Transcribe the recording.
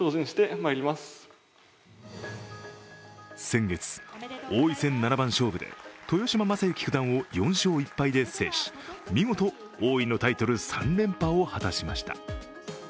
先月、王位戦七番勝負で豊島将之九段を４勝１敗で制し、見事、王位のタイトル３連覇を果たしました。